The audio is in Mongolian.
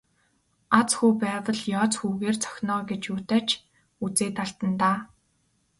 Аз хүү байвал ёоз хүүгээр цохино оо гэж юутай ч үзээд алдана даа.